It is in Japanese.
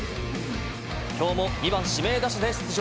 今日も２番・指名打者で出場。